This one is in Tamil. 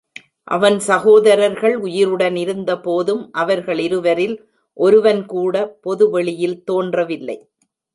அவன் சசோதரர்கள் உயிருடன் இருந்தபோதும் அவர்களிருவரில் ஒருவருடன் கூட பொதுவெளியில் தோன்றவில்லை.